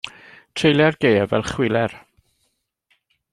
Treulia'r gaeaf fel chwiler.